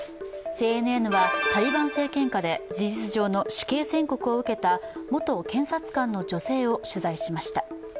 ＪＮＮはタリバン政権下で事実上の死刑宣告受けた元検察官の女性を取材しました。